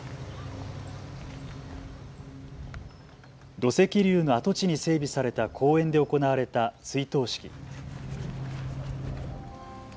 土石流の跡地に整備された公園で行われた追悼式。